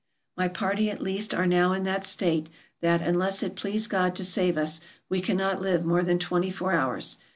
My party at least are now in that state that, unless it please God to save us, we cannot live more than twenty four hours.